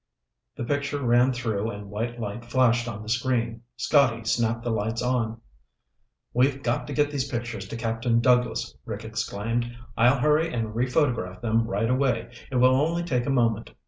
The picture ran through and white light flashed on the screen. Scotty snapped the lights on. "We've got to get these pictures to Captain Douglas," Rick exclaimed. "I'll hurry and rephotograph them right away. It will only take a moment."